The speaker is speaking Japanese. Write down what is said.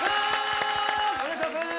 お願いします！